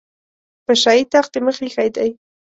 په شاهي تخت یې مخ ایښی دی.